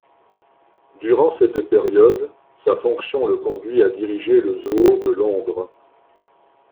Durant cette période, sa fonction le conduit à diriger le Zoo de Londres.